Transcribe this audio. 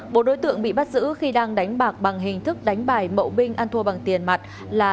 bộ đối tượng bị bắt giữ khi đang đánh bạc bằng hình thức đánh bài mậu binh ăn thua bằng tiền mặt là